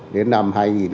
đến năm hai nghìn hai mươi